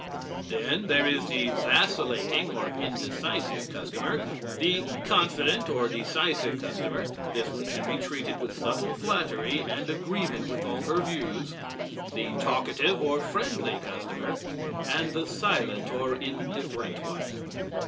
Then there is the Vacillating or Indecisive Customer, the Confident or Decisive Customer (this one should be treated with subtle flattery and agreement with all her views), The Talkative or Friendly Customer, and the Silent or Indifferent one.